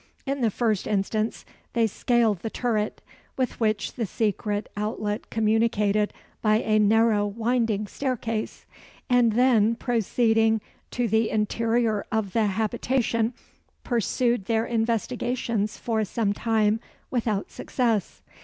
In the first instance, they scaled the turret, with which the secret outlet communicated by a narrow winding staircase; and then, proceeding to the interior of the habitation, pursued their investigations for some time without success.